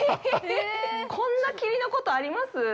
こんな霧のこと、あります！？